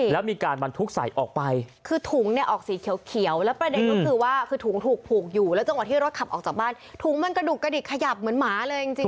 แล้วมีการบรรทุกใส่ออกไปคือถุงเนี่ยออกสีเขียวแล้วประเด็นก็คือว่าคือถุงถูกผูกอยู่แล้วจังหวะที่รถขับออกจากบ้านถุงมันกระดุกกระดิกขยับเหมือนหมาเลยจริง